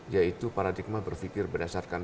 yaitu paradigma berfikir berdasarkan